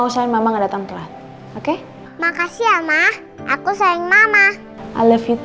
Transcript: siap jumpa eksklusif di gtv